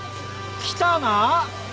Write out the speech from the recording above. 来たな！